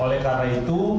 oleh karena itu